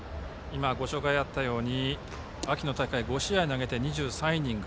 ご紹介あったように秋の大会５試合投げて２３イニング。